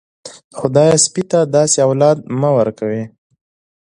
خدايه سپي ته داسې اولاد مه ورکوې.